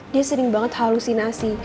dia sering banget halusinasi